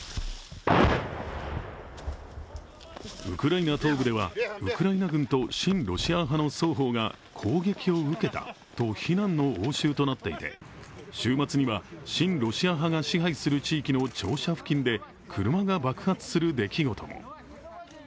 ウクライナ東部では、ウクライナ軍と親ロシア派の双方が攻撃を受けたと非難の応酬となっていて、週末には、親ロシア派が支配する地域の庁舎付近で車が爆発する出来事も。